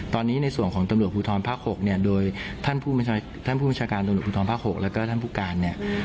ตอนนี้ในส่วนของตำรวจภูทรภาค๖เนี่ยโดยท่านผู้บัญชาการตำรวจภูทรภาค๖แล้วก็ท่านผู้การเนี่ย